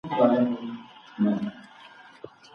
ړوند سړی تل له ږیري سره ډوډۍ او مڼه اخلي.